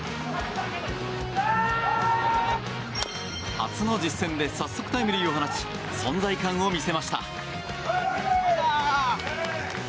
初の実戦で早速タイムリーを放ち存在感を見せました。